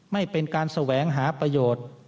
ไม่เป็นการแสวงหาประโยชน์